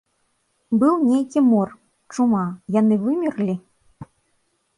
Быў нейкі мор, чума, яны вымерлі?